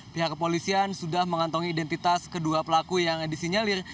pihak kepolisian sudah mengantongi identitas kedua pelaku yang disinyalir